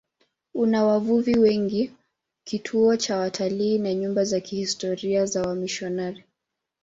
Una wavuvi wengi, kituo cha watalii na nyumba za kihistoria za wamisionari.